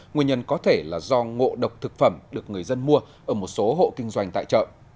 nguyên nhân có thể là do ngộ độc thực phẩm được người dân mua ở một số hộ kinh doanh tại chợ